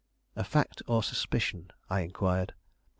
"A fact or a suspicion?" I inquired.